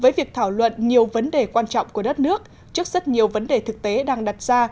với việc thảo luận nhiều vấn đề quan trọng của đất nước trước rất nhiều vấn đề thực tế đang đặt ra